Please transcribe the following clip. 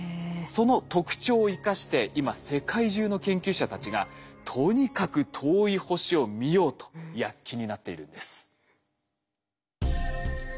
その特長を生かして今世界中の研究者たちがとにかく遠い星を見ようと躍起になっているんです。